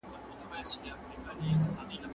زه پرون زدکړه کوم،